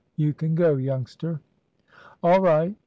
You can go, youngster." "All right.